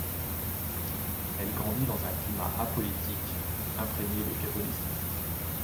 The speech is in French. Elle grandit dans un climat apolitique, imprégné de catholicisme.